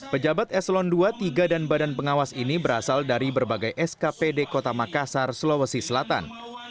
pejabat eselon iii dan badan pengawas ini berasal dari berbagai skpd kota makassar sulawesi selatan